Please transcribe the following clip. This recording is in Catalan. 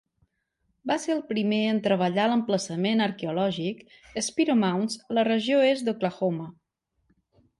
Va ser el primer en treballar a l"emplaçament arqueològic Spiro Mounds a la regió est d"Oklahoma.